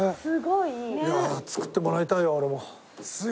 いやあ作ってもらいたいわ俺も。